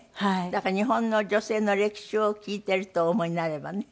だから日本の女性の歴史を聞いているとお思いになればね。